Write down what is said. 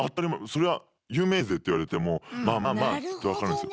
それは「有名税」って言われてもまあまあまあって分かるんですよ。